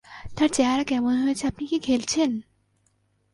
তার চেহারা কেমন হয়েছে আপনি কি খেলছেন?